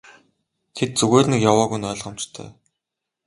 Тэд зүгээр нэг яваагүй нь ойлгомжтой.